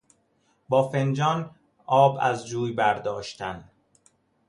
با فنجان آب از جوی برداشتن